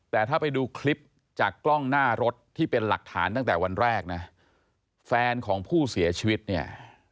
แต่ถ้าไปดูคลิปจากกล้องหน้ารถที่เป็นหลักฐานตั้งแต่วันแรกนะแฟนของผู้เสียชีวิตเนี่ย